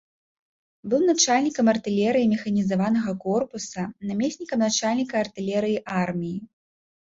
Быў начальнікам артылерыі механізаванага корпуса, намеснікам начальніка артылерыі арміі.